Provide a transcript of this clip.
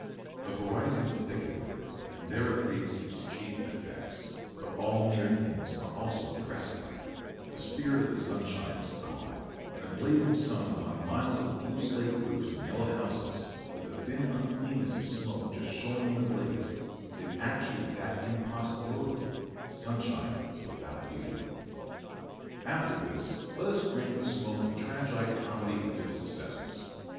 The horizon is thickened with it, and there it wreaks its chief 'effects,' but all near things are also oppressed by it; the spirit of the sunshine is gone, and a blazing sun upon miles of blue slate roofs and yellow houses, with the thin uncleanness of smoke just showing in the blaze, is actually that impossibility sunshine without beauty. [Illustration: UTILITARIAN LONDON.] After this, let us grant the smoke the tragi comedy of its successes.